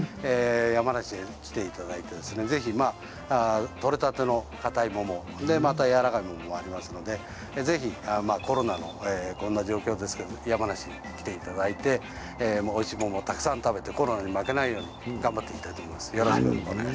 山梨に来ていただいてぜひ取れたてのかたい桃そしてやわらかい桃もありますのでぜひコロナのこんな状況ですけれど山梨に来ていただいておいしい桃をたくさん食べてコロナに負けないように頑張っていきたいと思います。